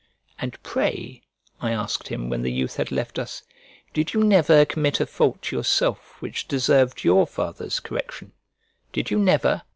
"And pray," I asked him, when the youth had left us, "did you never commit a fault yourself which deserved your father's correction? Did you never?